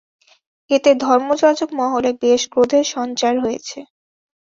এতে ধর্মযাজক মহলে বেশ ক্রোধের সঞ্চার হয়েছে।